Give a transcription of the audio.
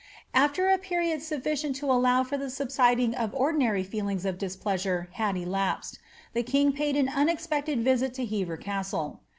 After a period sufficient to allow for the subsiding of ordinary feelingi of displeasure had elapsed, tlie kiug paid an unexpected visit to Uever Castle.